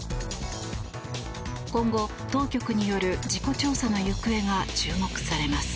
今後、当局による事故調査の行方が注目されます。